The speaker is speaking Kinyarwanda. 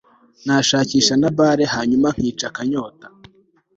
nashakisha na bar hanyuma nkica akanyota